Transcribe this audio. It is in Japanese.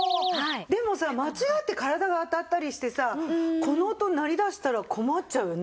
でもさ間違って体が当たったりしてさこの音鳴り出したら困っちゃうよね。